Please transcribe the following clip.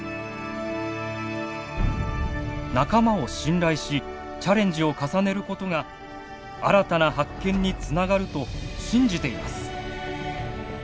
仲間を信頼しチャレンジを重ねることが新たな発見につながると信じています。